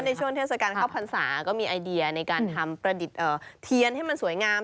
ช่วงเทศกาลเข้าพรรษาก็มีไอเดียในการทำประดิษฐ์เทียนให้มันสวยงาม